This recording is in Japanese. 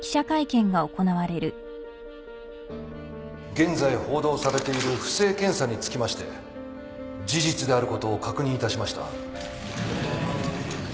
現在報道されている不正検査につきまして事実であることを確認いたしました。